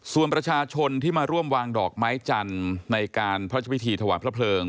ส่วนประชาชนที่มาร่วมวางดอกไม้จันทร์ในการพระเจ้าพิธีถวายพระเพลิง